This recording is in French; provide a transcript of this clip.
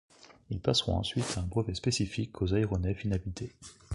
Ils passeront ensuite un brevet spécifique aux aéronefs inhabités.